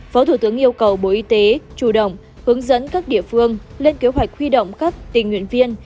phó thủ tướng yêu cầu bộ y tế chủ động hướng dẫn các địa phương lên kế hoạch huy động các tình nguyện viên